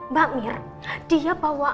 mbak mir dia bawa